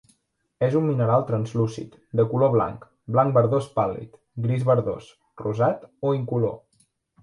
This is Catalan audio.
És un mineral translúcid, de color blanc, blanc verdós pàl·lid, gris verdós, rosat o incolor.